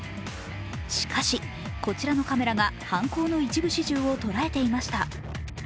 しかし、こちらのカメラが犯行の一部始終を捉えていました。